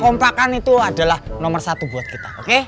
kompakan itu adalah nomor satu buat kita